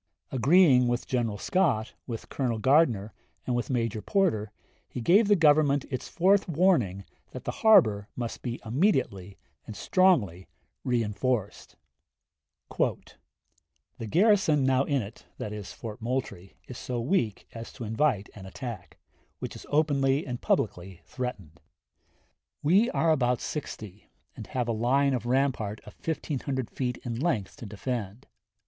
Agreeing with General Scott, with Colonel Gardner, and with Major Porter, he gave the Government its fourth warning that the harbor must be immediately and strongly reenforced. Anderson to Adjutant General, November 23, 1860. W.R. Vol. I., p. 74. ... The garrison now in it [Moultrie] is so weak as to invite an attack, which is openly and publicly threatened. We are about sixty, and have a line of rampart of 1500 feet in length to defend.